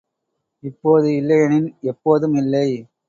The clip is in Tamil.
இப்போது இல்லையெனின் எப்போதும் இல்லை.